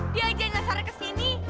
dia aja yang dasar ke sini